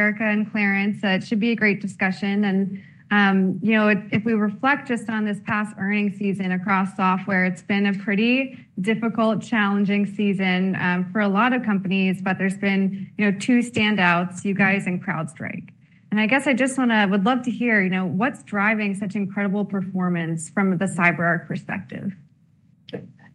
Erica and Clarence, it should be a great discussion. And, you know, if we reflect just on this past earnings season across software, it's been a pretty difficult, challenging season, for a lot of companies, but there's been, you know, two standouts, you guys and CrowdStrike. And I guess I just wanna—would love to hear, you know, what's driving such incredible performance from the CyberArk perspective?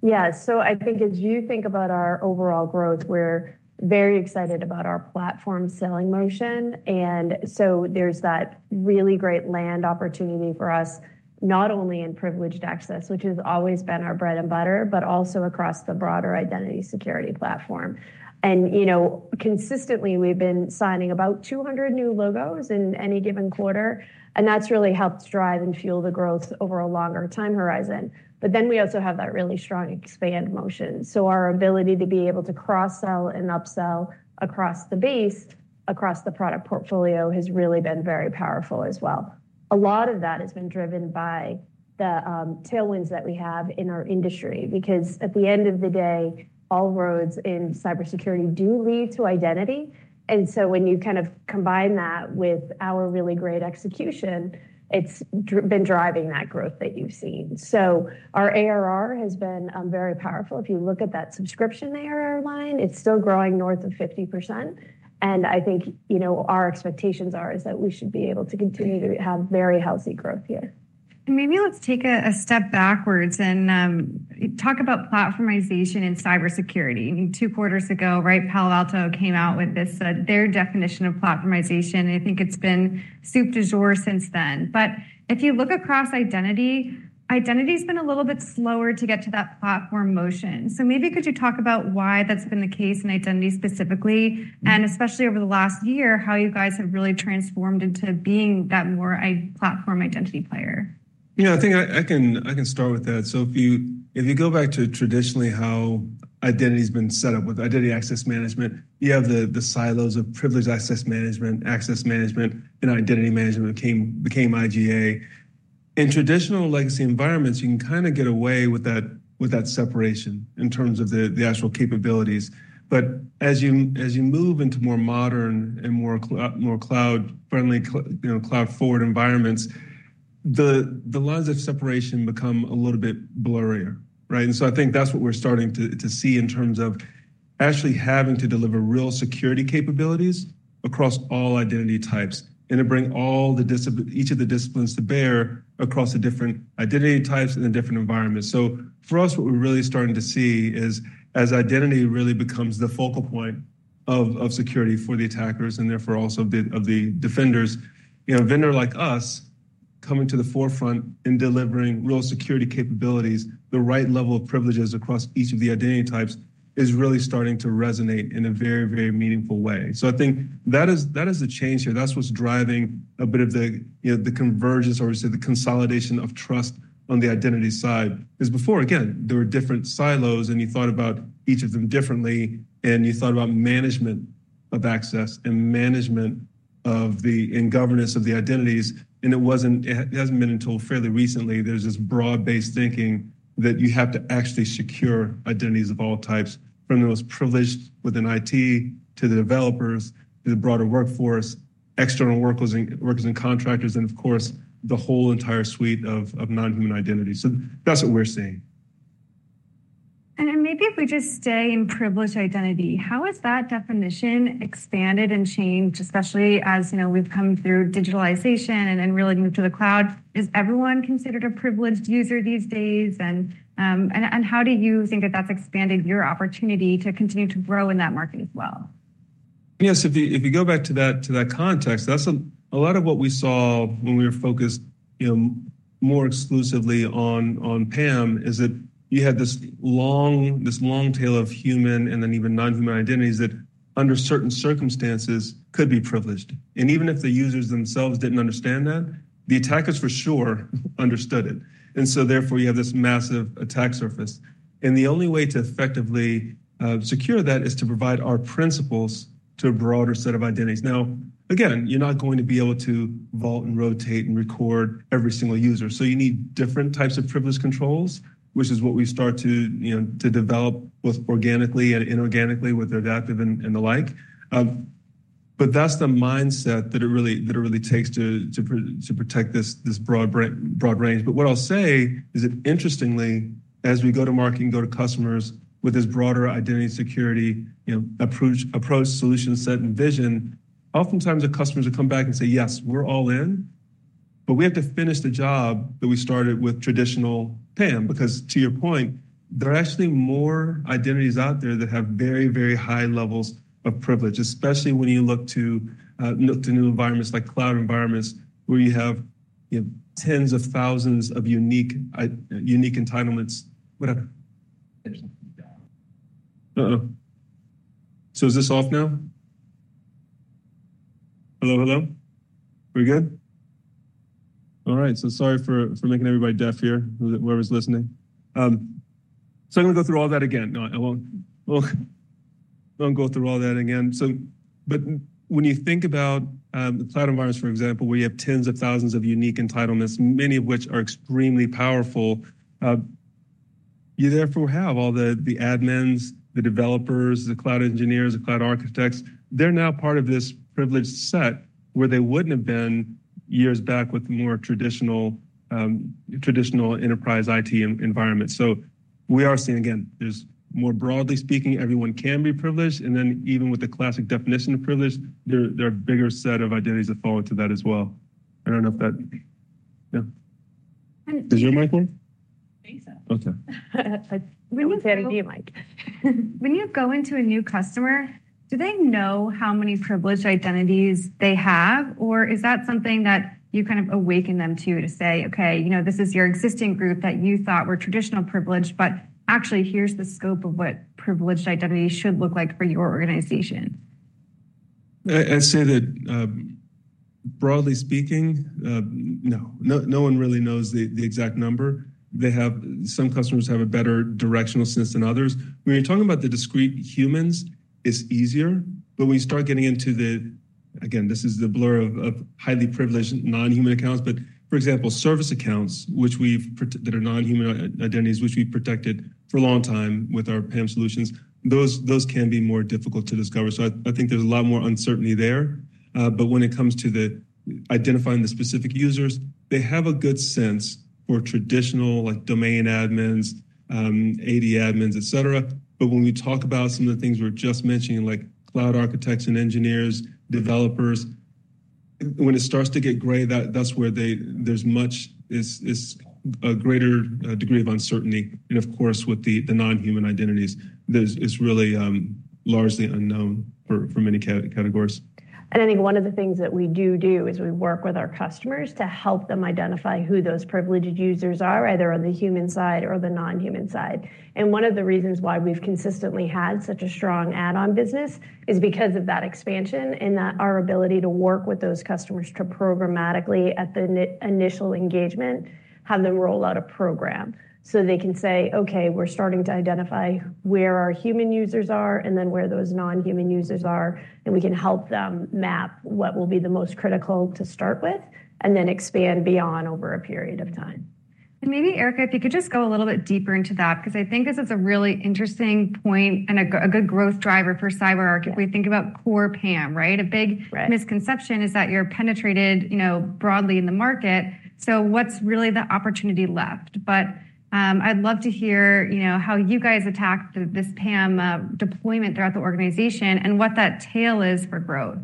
Yeah. So I think as you think about our overall growth, we're very excited about our platform selling motion. And so there's that really great land opportunity for us, not only in privileged access, which has always been our bread and butter, but also across the broader identity security platform. And, you know, consistently, we've been signing about 200 new logos in any given quarter, and that's really helped drive and fuel the growth over a longer time horizon. But then we also have that really strong expand motion. So our ability to be able to cross-sell and upsell across the base, across the product portfolio has really been very powerful as well. A lot of that has been driven by the tailwinds that we have in our industry, because at the end of the day, all roads in cybersecurity do lead to identity. And so when you kind of combine that with our really great execution, it's been driving that growth that you've seen. So our ARR has been very powerful. If you look at that subscription ARR line, it's still growing north of 50%, and I think, you know, our expectations are, is that we should be able to continue to have very healthy growth here. Maybe let's take a step backwards and talk about platformization in cybersecurity. Two quarters ago, right, Palo Alto came out with this, their definition of platformization, and I think it's been soup du jour since then. But if you look across identity, identity's been a little bit slower to get to that platform motion. So maybe could you talk about why that's been the case in identity specifically, and especially over the last year, how you guys have really transformed into being that more a platform identity player? Yeah, I think I can start with that. So if you go back to traditionally how identity's been set up with identity access management, you have the silos of privileged access management, access management, and identity management became IGA. In traditional legacy environments, you can kinda get away with that separation in terms of the actual capabilities. But as you move into more modern and more cloud-friendly, you know, cloud-forward environments, the lines of separation become a little bit blurrier, right? And so I think that's what we're starting to see in terms of actually having to deliver real security capabilities across all identity types, and to bring each of the disciplines to bear across the different identity types and the different environments. So for us, what we're really starting to see is, as identity really becomes the focal point of security for the attackers, and therefore also the focal point of the defenders, you know, a vendor like us coming to the forefront in delivering real security capabilities, the right level of privileges across each of the identity types, is really starting to resonate in a very, very meaningful way. So I think that is, that is the change here. That's what's driving a bit of the, you know, the convergence or we say, the consolidation of trust on the identity side. Because before, again, there were different silos, and you thought about each of them differently, and you thought about management of access and management of and governance of the identities, and it wasn't. It hasn't been until fairly recently. There's this broad-based thinking that you have to actually secure identities of all types, from the most privileged within IT, to the developers, to the broader workforce, external workers and contractors, and of course, the whole entire suite of non-human identities. So that's what we're seeing. Maybe if we just stay in privileged identity, how has that definition expanded and changed, especially as, you know, we've come through digitalization and then really moved to the cloud? Is everyone considered a privileged user these days? And how do you think that that's expanded your opportunity to continue to grow in that market as well? Yes, if you go back to that context, that's a lot of what we saw when we were focused, you know, more exclusively on PAM, is that you had this long tail of human and then even non-human identities that, under certain circumstances, could be privileged. And even if the users themselves didn't understand that, the attackers for sure understood it. And so therefore, you have this massive attack surface. And the only way to effectively secure that is to provide our principals to a broader set of identities. Now, again, you're not going to be able to vault and rotate and record every single user. So you need different types of privilege controls, which is what we start to, you know, develop both organically and inorganically with Idaptive and the like. But that's the mindset that it really, that it really takes to protect this broad range. But what I'll say is that, interestingly, as we go to market and go to customers with this broader identity security, you know, approach, approach, solution, set, and vision, oftentimes the customers will come back and say, "Yes, we're all in, but we have to finish the job that we started with traditional PAM." Because to your point, there are actually more identities out there that have very, very high levels of privilege, especially when you look to look to new environments like cloud environments, where you have tens of thousands of unique entitlements, whatever. So is this off now? Hello, hello? We good? All right, so sorry for making everybody deaf here, whoever's listening. So I'm gonna go through all that again. No, I won't. We don't go through all that again. But when you think about the cloud environments, for example, where you have tens of thousands of unique entitlements, many of which are extremely powerful. You therefore have all the admins, the developers, the Cloud Engineers, the Cloud Architects, they're now part of this privileged set where they wouldn't have been years back with more traditional traditional enterprise IT environment. So we are seeing, again, there's more broadly speaking, everyone can be privileged, and then even with the classic definition of privileged, there are bigger set of identities that fall into that as well. I don't know if that. Yeah. Is your mic on? I think so. Okay. [inaudible] When you go into a new customer, do they know how many privileged identities they have? Or is that something that you kind of awaken them to, to say, "Okay, you know, this is your existing group that you thought were traditional privileged, but actually, here's the scope of what privileged identity should look like for your organization? I'd say that, broadly speaking, no. No, no one really knows the exact number. They have— Some customers have a better directional sense than others. When you're talking about the discrete humans, it's easier, but when you start getting into the... Again, this is the blur of highly privileged non-human accounts, but for example, service accounts, which are non-human identities, which we've protected for a long time with our PAM solutions, those can be more difficult to discover. So I think there's a lot more uncertainty there. But when it comes to identifying the specific users, they have a good sense for traditional, like domain admins, AD admins, et cetera. But when we talk about some of the things we're just mentioning, like cloud architects and engineers, developers, when it starts to get gray, that's where there's a greater degree of uncertainty. And, of course, with the non-human identities, it's really largely unknown for many categories. I think one of the things that we do do is we work with our customers to help them identify who those privileged users are, either on the human side or the non-human side. One of the reasons why we've consistently had such a strong add-on business is because of that expansion and that our ability to work with those customers to programmatically at the initial engagement, have them roll out a program. So they can say, "Okay, we're starting to identify where our human users are and then where those non-human users are, and we can help them map what will be the most critical to start with, and then expand beyond over a period of time. And maybe, Erica, if you could just go a little bit deeper into that, because I think this is a really interesting point and a good growth driver for CyberArk. Yeah... if we think about core PAM, right? Right. A big misconception is that you're penetrated, you know, broadly in the market, so what's really the opportunity left? But, I'd love to hear, you know, how you guys attack this PAM deployment throughout the organization and what that tail is for growth.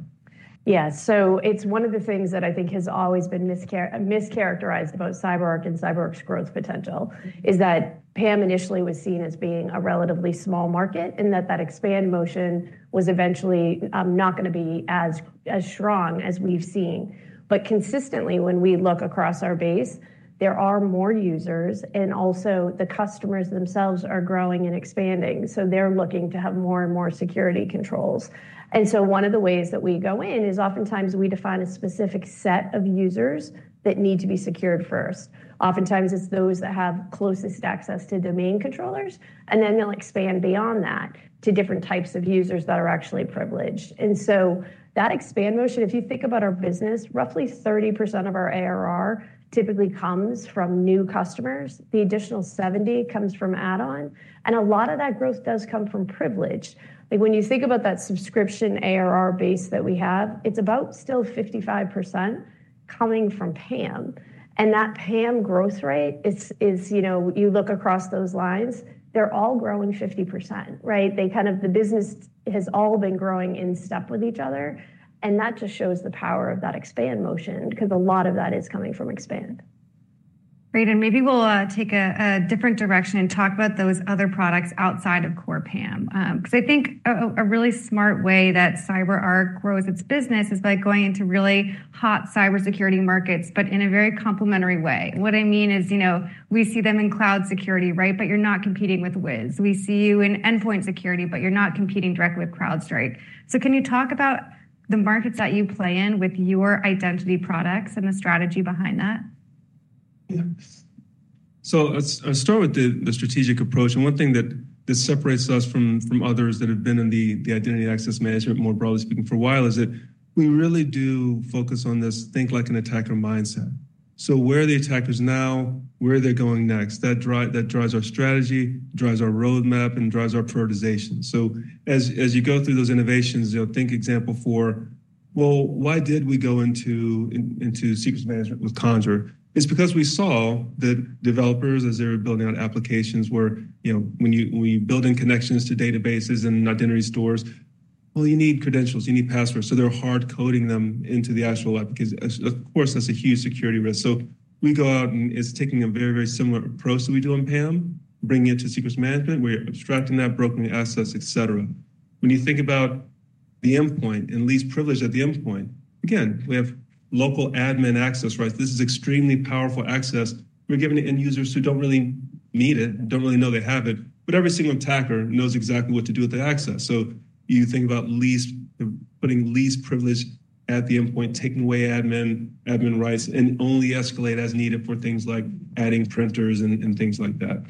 Yeah. So it's one of the things that I think has always been mischaracterized about CyberArk and CyberArk's growth potential, is that PAM initially was seen as being a relatively small market, and that expansion motion was eventually not gonna be as strong as we've seen. But consistently, when we look across our base, there are more users, and also the customers themselves are growing and expanding, so they're looking to have more and more security controls. And so one of the ways that we go in is oftentimes we define a specific set of users that need to be secured first. Oftentimes, it's those that have closest access to domain controllers, and then they'll expand beyond that to different types of users that are actually privileged. And so that expand motion, if you think about our business, roughly 30% of our ARR typically comes from new customers. The additional 70 comes from add-on, and a lot of that growth does come from privilege. Like, when you think about that subscription ARR base that we have, it's about still 55% coming from PAM, and that PAM growth rate is, you know, you look across those lines, they're all growing 50%, right? They kind of... The business has all been growing in step with each other, and that just shows the power of that expand motion, because a lot of that is coming from expand. Great, and maybe we'll take a different direction and talk about those other products outside of core PAM. Because I think a really smart way that CyberArk grows its business is by going into really hot cybersecurity markets, but in a very complementary way. What I mean is, you know, we see them in cloud security, right? But you're not competing with Wiz. We see you in endpoint security, but you're not competing directly with CrowdStrike. So can you talk about the markets that you play in with your identity products and the strategy behind that? Yeah. So let's start with the strategic approach, and one thing that separates us from others that have been in the identity access management, more broadly speaking, for a while, is that we really do focus on this think like an attacker mindset. So where are the attackers now? Where are they going next? That drives our strategy, drives our roadmap, and drives our prioritization. So as you go through those innovations, you know, think example four: well, why did we go into secrets management with Conjur? It's because we saw that developers, as they were building out applications, were, you know, when you're building connections to databases and identity stores, well, you need credentials, you need passwords, so they're hard coding them into the actual application. Of course, that's a huge security risk. So we go out, and it's taking a very, very similar approach that we do in PAM, bringing it to secrets management. We're abstracting that, broken the access, et cetera. When you think about the endpoint and least privilege at the endpoint, again, we have local admin access rights. This is extremely powerful access. We're giving it to end users who don't really need it, don't really know they have it, but every single attacker knows exactly what to do with the access. So you think about putting least privilege at the endpoint, taking away admin, admin rights, and only escalate as needed for things like adding printers and, and things like that.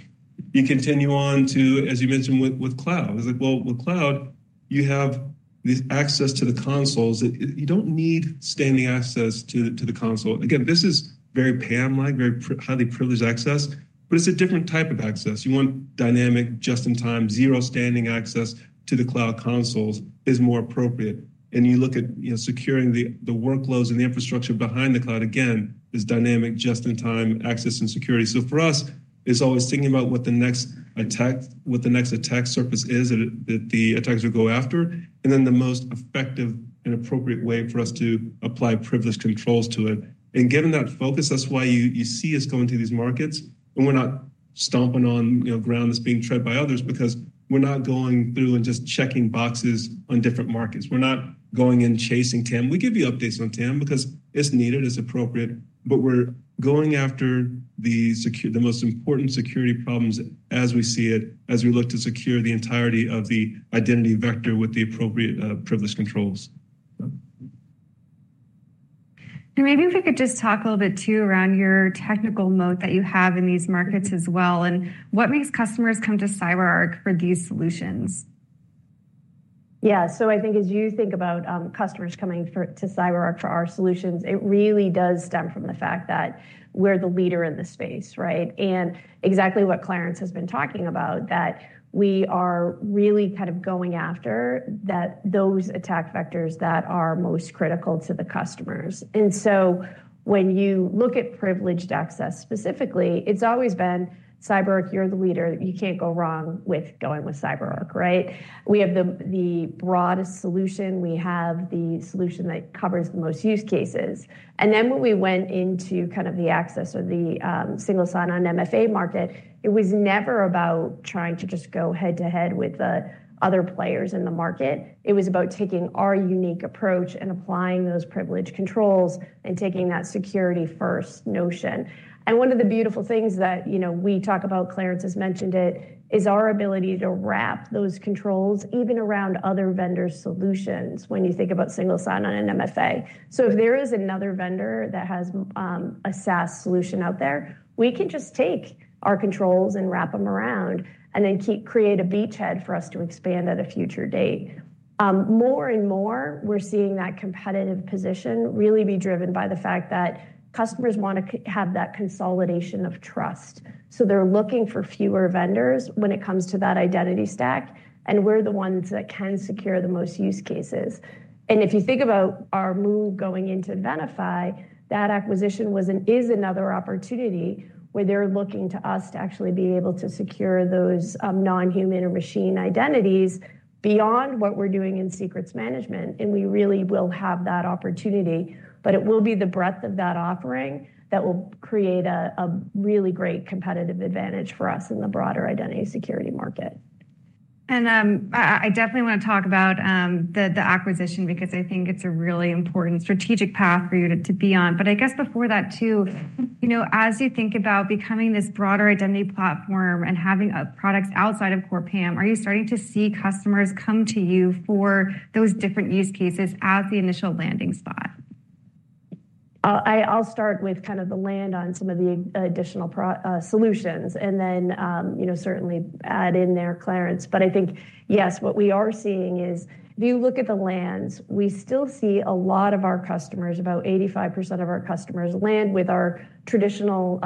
You continue on to, as you mentioned with, with cloud. It's like, well, with cloud, you have- The access to the consoles, it, you don't need standing access to, to the console. Again, this is very PAM-like, highly privileged access, but it's a different type of access. You want dynamic, just-in-time, zero standing access to the cloud consoles is more appropriate. And you look at, you know, securing the workloads and the infrastructure behind the cloud, again, is dynamic, just-in-time access and security. So for us, it's always thinking about what the next attack, what the next attack surface is that the attackers will go after, and then the most effective and appropriate way for us to apply privilege controls to it. And given that focus, that's why you see us go into these markets, and we're not stomping on, you know, ground that's being trodden by others because we're not going through and just checking boxes on different markets. We're not going and chasing TAM. We give you updates on TAM because it's needed, it's appropriate, but we're going after the most important security problems as we see it, as we look to secure the entirety of the identity vector with the appropriate privilege controls. Maybe if we could just talk a little bit, too, around your technical moat that you have in these markets as well, and what makes customers come to CyberArk for these solutions? Yeah. So I think as you think about customers coming to CyberArk for our solutions, it really does stem from the fact that we're the leader in this space, right? And exactly what Clarence has been talking about, that we are really kind of going after that, those attack vectors that are most critical to the customers. And so when you look at privileged access, specifically, it's always been, "CyberArk, you're the leader. You can't go wrong with going with CyberArk," right? We have the broadest solution, we have the solution that covers the most use cases. And then when we went into kind of the access or the Single Sign-On MFA market, it was never about trying to just go head-to-head with the other players in the market. It was about taking our unique approach and applying those privilege controls and taking that security first notion. And one of the beautiful things that, you know, we talk about, Clarence has mentioned it, is our ability to wrap those controls even around other vendors' solutions when you think about Single Sign-On and MFA. So if there is another vendor that has a SaaS solution out there, we can just take our controls and wrap them around and then keep, create a beachhead for us to expand at a future date. More and more, we're seeing that competitive position really be driven by the fact that customers wanna have that consolidation of trust. So they're looking for fewer vendors when it comes to that identity stack, and we're the ones that can secure the most use cases. If you think about our move going into Venafi, that acquisition is another opportunity where they're looking to us to actually be able to secure those, non-human and machine identities beyond what we're doing in secrets management, and we really will have that opportunity. But it will be the breadth of that offering that will create a really great competitive advantage for us in the broader identity security market. I definitely want to talk about the acquisition because I think it's a really important strategic path for you to be on. But I guess before that, too, you know, as you think about becoming this broader identity platform and having products outside of core PAM, are you starting to see customers come to you for those different use cases as the initial landing spot? I'll start with kind of the landing on some of the additional product solutions, and then, you know, certainly add in there, Clarence. But I think, yes, what we are seeing is, if you look at the lands, we still see a lot of our customers, about 85% of our customers, land with our traditional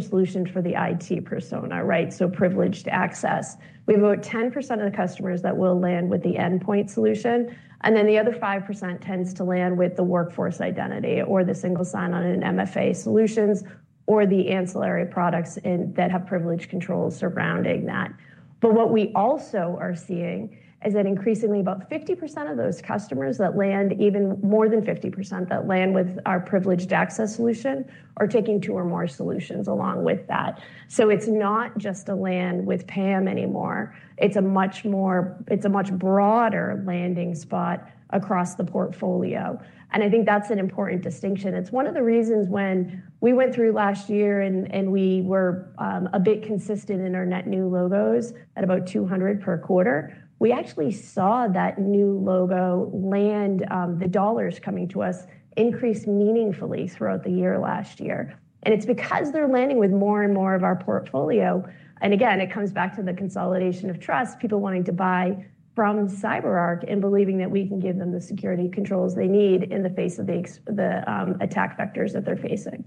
solutions for the IT persona, right? So privileged access. We have about 10% of the customers that will land with the endpoint solution, and then the other 5% tends to land with the workforce identity or the single sign-on and MFA solutions or the ancillary products in that have privilege controls surrounding that. But what we also are seeing is that increasingly, about 50% of those customers that land, even more than 50% that land with our privileged access solution, are taking two or more solutions along with that. So it's not just a land with PAM anymore. It's a much broader landing spot across the portfolio, and I think that's an important distinction. It's one of the reasons when we went through last year and we were a bit consistent in our net new logos at about 200 per quarter, we actually saw that new logo land, the dollars coming to us, increase meaningfully throughout the year, last year. It's because they're landing with more and more of our portfolio, and again, it comes back to the consolidation of trust, people wanting to buy from CyberArk and believing that we can give them the security controls they need in the face of the attack vectors that they're facing.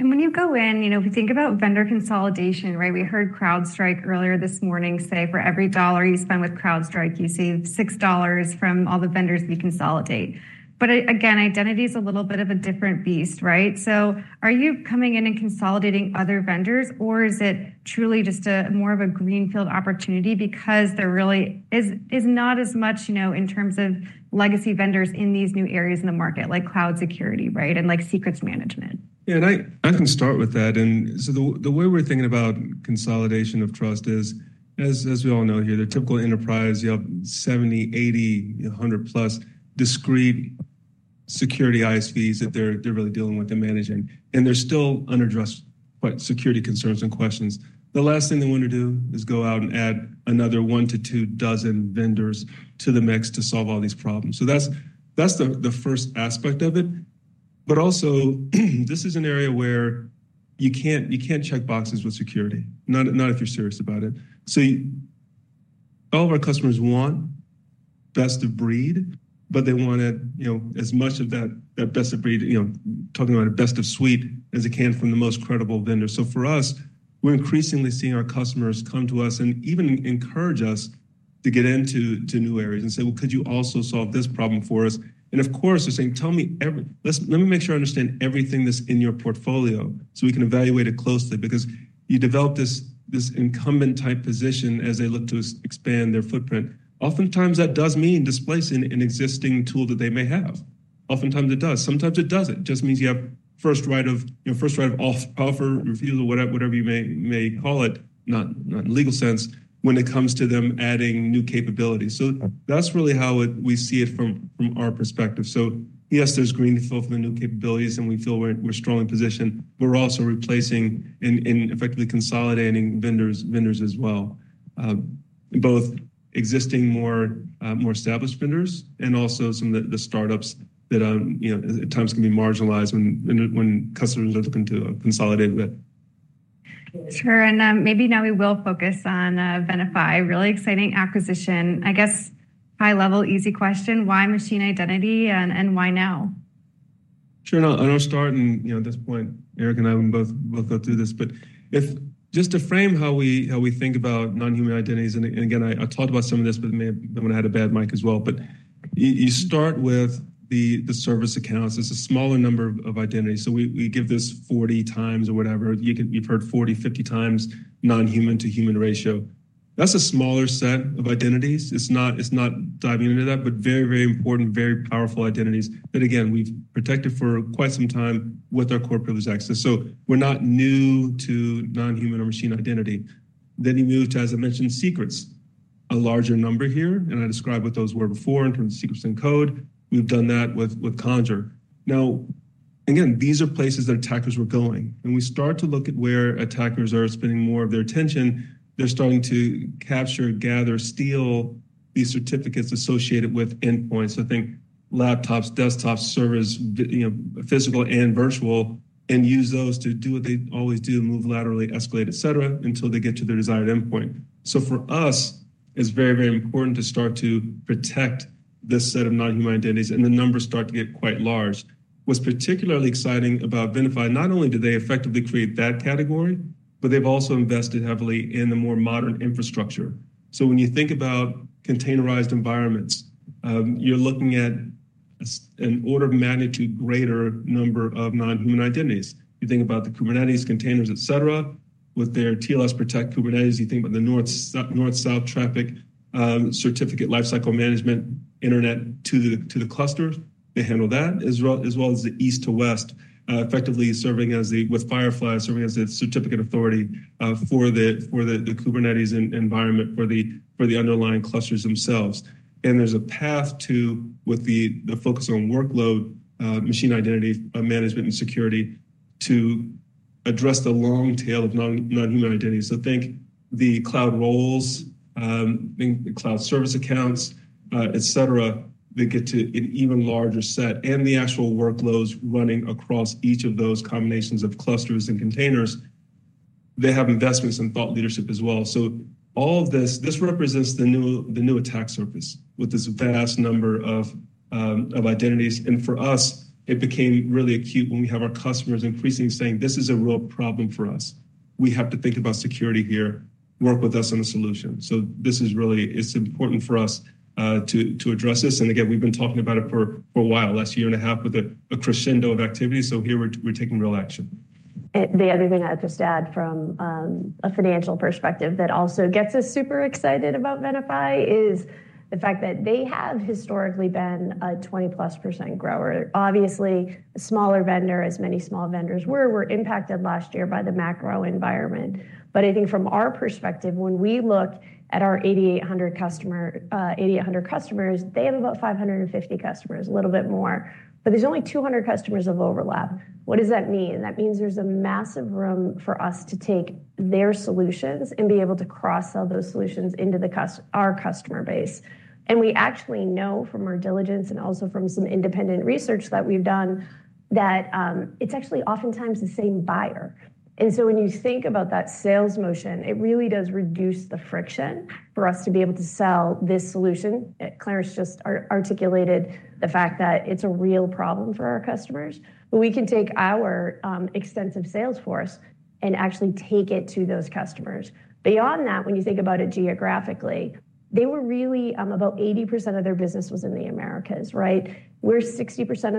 When you go in, you know, if you think about vendor consolidation, right, we heard CrowdStrike earlier this morning say, for every $1 you spend with CrowdStrike, you save $6 from all the vendors we consolidate. But again, identity is a little bit of a different beast, right? So are you coming in and consolidating other vendors, or is it truly just more of a greenfield opportunity? Because there really is not as much, you know, in terms of legacy vendors in these new areas in the market, like cloud security, right, and like secrets management. Yeah, and I, I can start with that. And so the, the way we're thinking about Consolidation of Trust is, as, as we all know here, the typical enterprise, you have 70, 80, 100+ discrete security ISVs that they're, they're really dealing with and managing, and there's still unaddressed but security concerns and questions. The last thing they want to do is go out and add another 1-2 dozen vendors to the mix to solve all these problems. So that's, that's the, the first aspect of it.... But also, this is an area where you can't, you can't check boxes with security, not, not if you're serious about it. So all of our customers want best of breed, but they want it, you know, as much of that best of breed, you know, talking about a best of suite as they can from the most credible vendor. So for us, we're increasingly seeing our customers come to us and even encourage us to get into new areas and say: "Well, could you also solve this problem for us?" And of course, they're saying: "Let me make sure I understand everything that's in your portfolio, so we can evaluate it closely." Because you develop this incumbent type position as they look to expand their footprint. Oftentimes, that does mean displacing an existing tool that they may have. Oftentimes, it does. Sometimes it doesn't. It just means you have first right of, you know, first right of offer, refusal, whatever you may call it, not in legal sense, when it comes to them adding new capabilities. So that's really how it—we see it from our perspective. So yes, there's greenfield from the new capabilities, and we feel we're strongly positioned, but we're also replacing and effectively consolidating vendors as well, both existing, more established vendors and also some of the startups that you know at times can be marginalized when customers are looking to consolidate with. Sure. And, maybe now we will focus on Venafi, really exciting acquisition. I guess, high level, easy question: Why machine identity and why now? Sure. I'll start, you know, at this point, Erica and I, we both go through this. But if just to frame how we think about non-human identities, and again, I talked about some of this, but may have when I had a bad mic as well. But you start with the service accounts. It's a smaller number of identities, so we give this 40 times or whatever. You've heard 40, 50 times non-human to human ratio. That's a smaller set of identities. It's not diving into that, but very, very important, very powerful identities. But again, we've protected for quite some time with our core privileged access, so we're not new to non-human or machine identity. Then you move to, as I mentioned, secrets, a larger number here, and I described what those were before in terms of secrets and code. We've done that with, with Conjur. Now, again, these are places that attackers were going, and we start to look at where attackers are spending more of their attention. They're starting to capture, gather, steal these certificates associated with endpoints. So think laptops, desktops, servers, you know, physical and virtual, and use those to do what they always do, move laterally, escalate, et cetera, until they get to their desired endpoint. So for us, it's very, very important to start to protect this set of non-human identities, and the numbers start to get quite large. What's particularly exciting about Venafi, not only do they effectively create that category, but they've also invested heavily in the more modern infrastructure. So when you think about containerized environments, you're looking at an order of magnitude greater number of non-human identities. You think about the Kubernetes, containers, et cetera, with their TLS Protect Kubernetes. You think about the north-south traffic, certificate lifecycle management, internet to the clusters. They handle that, as well as the east-west, effectively serving as the with Firefly, serving as the certificate authority for the Kubernetes environment, for the underlying clusters themselves. And there's a path to with the focus on workload, machine identity, management and security, to address the long tail of non-human identities. So think the cloud roles, think the cloud service accounts, et cetera, they get to an even larger set, and the actual workloads running across each of those combinations of clusters and containers. They have investments and thought leadership as well. So all of this, this represents the new, the new attack surface, with this vast number of, of identities, and for us, it became really acute when we have our customers increasingly saying: "This is a real problem for us. We have to think about security here. Work with us on a solution." So this is really... It's important for us, to, to address this, and again, we've been talking about it for, for a while, last year and a half, with a, a crescendo of activity, so here we're, we're taking real action. The other thing I'd just add from a financial perspective that also gets us super excited about Venafi is the fact that they have historically been a 20%+ grower. Obviously, a smaller vendor, as many small vendors were impacted last year by the macro environment. But I think from our perspective, when we look at our 8,800 customers, they have about 550 customers, a little bit more, but there's only 200 customers of overlap. What does that mean? That means there's a massive room for us to take their solutions and be able to cross-sell those solutions into our customer base. And we actually know from our diligence and also from some independent research that we've done, that it's actually oftentimes the same buyer. When you think about that sales motion, it really does reduce the friction for us to be able to sell this solution. Clarence just articulated the fact that it's a real problem for our customers, but we can take our extensive sales force and actually take it to those customers. Beyond that, when you think about it geographically, they were really about 80% of their business was in the Americas, right? We're 60%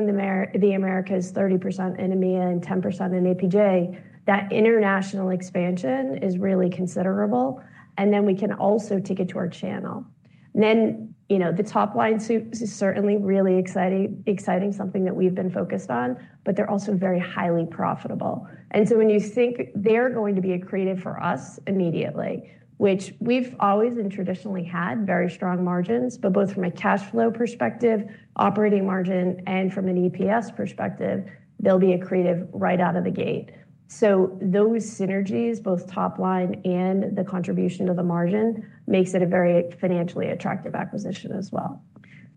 in the Americas, 30% in EMEA, and 10% in APJ. That international expansion is really considerable, and then we can also take it to our channel. Then, you know, the top-line suit is certainly really exciting, exciting, something that we've been focused on, but they're also very highly profitable. And so when you think they're going to be accretive for us immediately, which we've always and traditionally had very strong margins, but both from a cash flow perspective, operating margin, and from an EPS perspective, they'll be accretive right out of the gate. So those synergies, both top line and the contribution to the margin, makes it a very financially attractive acquisition as well.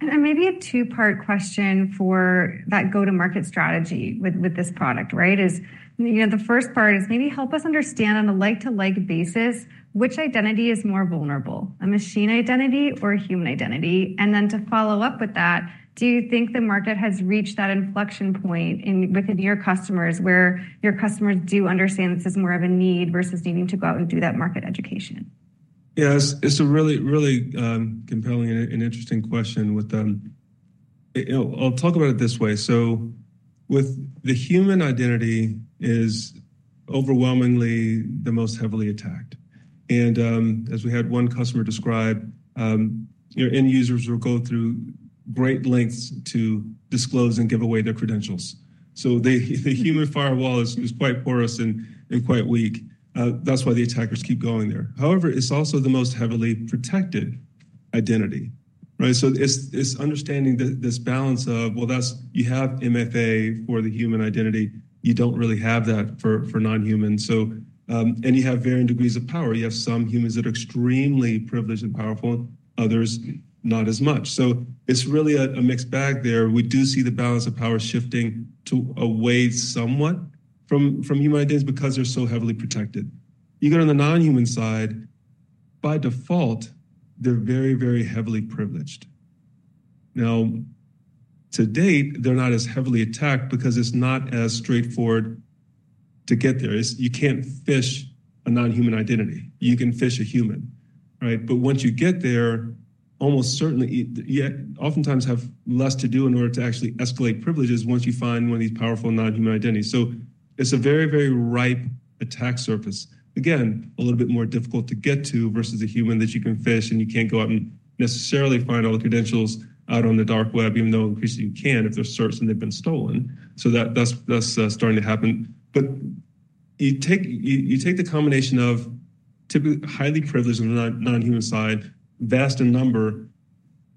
Maybe a two-part question for that go-to-market strategy with, with this product, right, is, you know, the first part is maybe help us understand on a like-to-like basis, which identity is more vulnerable, a machine identity or a human identity? And then to follow up with that, do you think the market has reached that inflection point in, with your customers, where your customers do understand this is more of a need versus needing to go out and do that market education?... Yeah, it's a really, really compelling and interesting question with, you know, I'll talk about it this way. So with the human identity is overwhelmingly the most heavily attacked, and, as we had one customer describe, your end users will go through great lengths to disclose and give away their credentials. So the human firewall is quite porous and quite weak. That's why the attackers keep going there. However, it's also the most heavily protected identity, right? So it's understanding this balance of, well, that's you have MFA for the human identity. You don't really have that for non-human. So, and you have varying degrees of power. You have some humans that are extremely privileged and powerful, others not as much. So it's really a mixed bag there. We do see the balance of power shifting to a weight somewhat from, from human identities because they're so heavily protected. You go to the non-human side, by default, they're very, very heavily privileged. Now, to date, they're not as heavily attacked because it's not as straightforward to get there. It's you can't phish a non-human identity. You can phish a human, right? But once you get there, almost certainly, you oftentimes have less to do in order to actually escalate privileges once you find one of these powerful non-human identities. So it's a very, very ripe attack surface. Again, a little bit more difficult to get to versus a human that you can phish, and you can't go out and necessarily find all the credentials out on the dark web, even though increasingly you can if they're certain they've been stolen. So that, that's, that's starting to happen. But you take the combination of typically highly privileged on the non-human side, vast in number.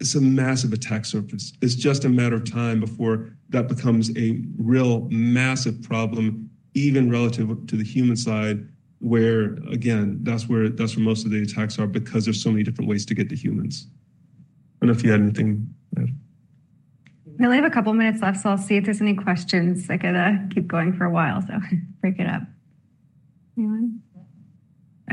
It's a massive attack surface. It's just a matter of time before that becomes a real massive problem, even relative to the human side, where, again, that's where most of the attacks are because there's so many different ways to get to humans. I don't know if you had anything to add. We only have a couple of minutes left, so I'll see if there's any questions. I could keep going for a while, so break it up. Anyone?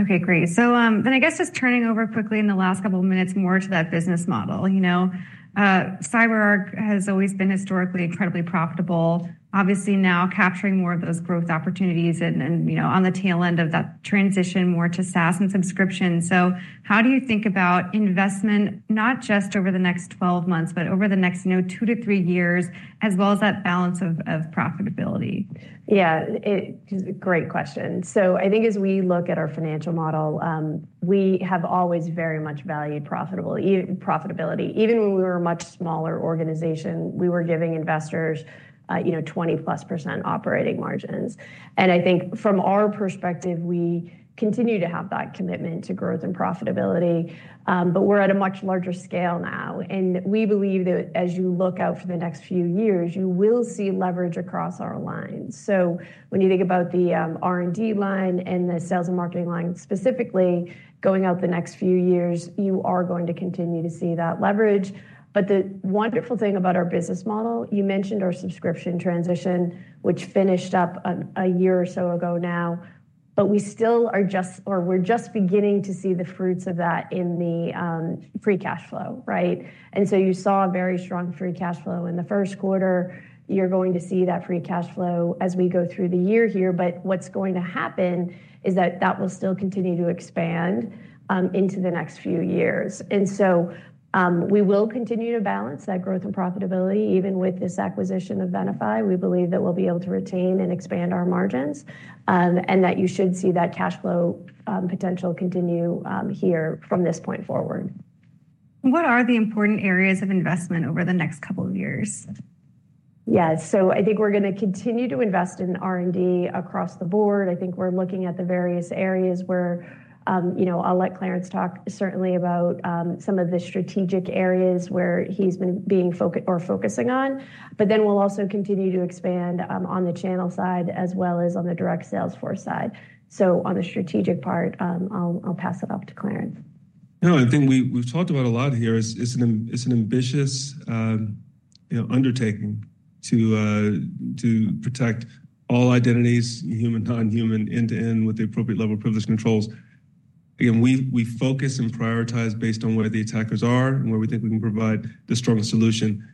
Okay, great. So, then I guess just turning over quickly in the last couple of minutes more to that business model. You know, CyberArk has always been historically incredibly profitable. Obviously, now capturing more of those growth opportunities and you know, on the tail end of that transition more to SaaS and subscription. So how do you think about investment, not just over the next 12 months, but over the next, you know, two to three years, as well as that balance of profitability? Yeah, great question. So I think as we look at our financial model, we have always very much valued profitability. Even when we were a much smaller organization, we were giving investors, you know, 20+% operating margins. And I think from our perspective, we continue to have that commitment to growth and profitability, but we're at a much larger scale now, and we believe that as you look out for the next few years, you will see leverage across our lines. So when you think about the R&D line and the sales and marketing line, specifically, going out the next few years, you are going to continue to see that leverage. But the wonderful thing about our business model, you mentioned our subscription transition, which finished up a year or so ago now, but we still are just-- or we're just beginning to see the fruits of that in the free cash flow, right? And so you saw a very strong free cash flow in the first quarter. You're going to see that free cash flow as we go through the year here. But what's going to happen is that that will still continue to expand into the next few years. And so we will continue to balance that growth and profitability. Even with this acquisition of Venafi, we believe that we'll be able to retain and expand our margins, and that you should see that cash flow potential continue here from this point forward. What are the important areas of investment over the next couple of years? Yeah. So I think we're gonna continue to invest in R&D across the board. I think we're looking at the various areas where, you know, I'll let Clarence talk certainly about some of the strategic areas where he's been focusing on. But then we'll also continue to expand on the channel side as well as on the direct sales force side. So on the strategic part, I'll pass it off to Clarence. No, I think we've talked about a lot here. It's an ambitious, you know, undertaking to protect all identities, human, non-human, end-to-end, with the appropriate level of privilege controls. Again, we focus and prioritize based on where the attackers are and where we think we can provide the strongest solution.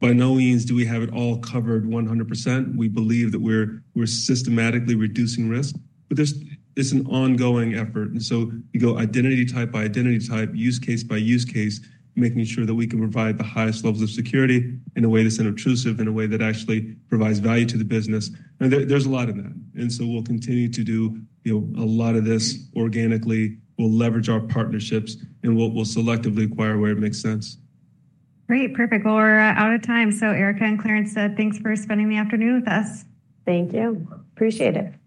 By no means do we have it all covered 100%. We believe that we're systematically reducing risk, but it's an ongoing effort. And so you go identity type by identity type, use case by use case, making sure that we can provide the highest levels of security in a way that's unobtrusive, in a way that actually provides value to the business. And there's a lot in that. And so we'll continue to do, you know, a lot of this organically. We'll leverage our partnerships, and we'll selectively acquire where it makes sense. Great. Perfect. Well, we're out of time, so Erica and Clarence, thanks for spending the afternoon with us. Thank you. Appreciate it.